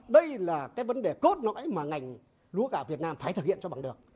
đây là vấn đề cốt nỗi mà ngành lúa gạo việt nam phải thực hiện cho bằng được